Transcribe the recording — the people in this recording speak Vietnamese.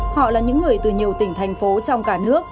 họ là những người từ nhiều tỉnh thành phố trong cả nước